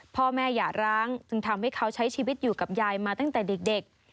อย่าร้างจึงทำให้เขาใช้ชีวิตอยู่กับยายมาตั้งแต่เด็ก